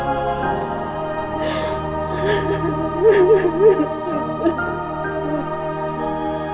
kamu gak pantas disana